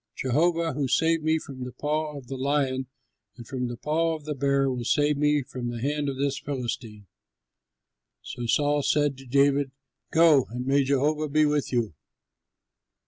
Jehovah who saved me from the paw of the lion and from the paw of the bear will save me from the hand of this Philistine." So Saul said to David, "Go, and may Jehovah be with you."